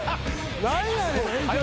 何やねん。